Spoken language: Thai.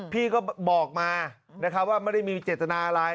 พี่ก็บอกมานะครับว่าไม่ได้มีเจตนาอะไร